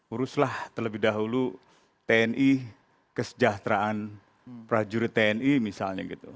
uruslah terlebih dahulu tni kesejahteraan prajurit tni misalnya gitu